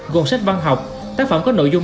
gồm sách văn học tác phẩm có nội dung